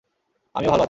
আমিও ভালো আছি।